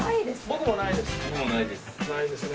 僕もないです。